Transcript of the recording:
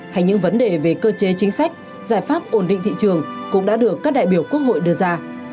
hay những vấn đề về cơ chế chính sách giải pháp ổn định thị trường cũng đã được các đại biểu quốc hội đưa ra